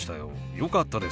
よかったです。